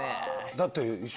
だって。